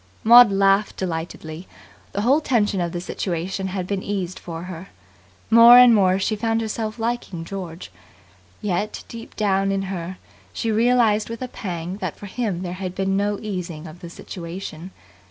Maud laughed delightedly. The whole tension of the situation had been eased for her. More and more she found herself liking George. Yet, deep down in her, she realized with a pang that for him there had been no easing of the situation.